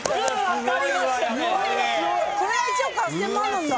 ・これが１億８，０００万なんだ。